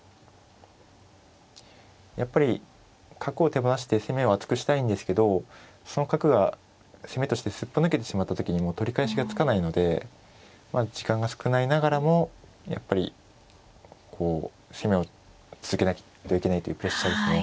やっぱり角を手放して攻めを厚くしたいんですけどその角が攻めとしてすっぽ抜けてしまった時にもう取り返しがつかないので時間が少ないながらもやっぱりこう攻めを続けないといけないというプレッシャーですね。